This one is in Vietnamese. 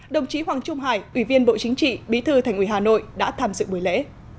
đồng chí hoàng trung hải ủy viên bộ chính trị bí thư thành ủy hà nội đã tham dự buổi lễ